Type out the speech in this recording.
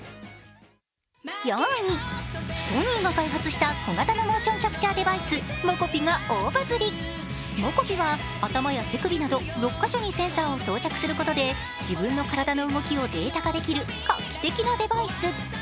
４位、ソニーが開発した小型のモーションキャプチャーデバイス、ｍｏｃｏｐｉは頭や手首など６か所にセンサーを装着することで自分の体の動きをデータ化できる画期的なデバイス。